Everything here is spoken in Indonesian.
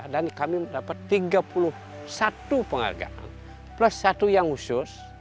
dan kami mendapat tiga puluh satu penghargaan plus satu yang khusus